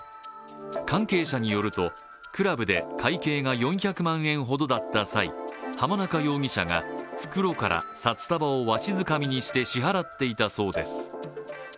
関係者によるとクラブで会計が４００万円ほどだった際、浜中容疑者が袋から札束をわしづかみにして支払っていたそうです。